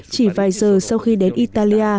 chỉ vài giờ sau khi đến italia